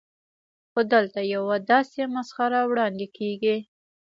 خو دلته یوه داسې مسخره وړاندې کېږي.